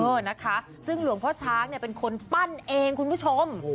เออนะคะซึ่งหลวงพ่อช้างเนี่ยเป็นคนปั้นเองคุณผู้ชม